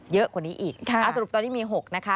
เยอะกว่านี้อีกสรุปตอนนี้มี๖นะคะ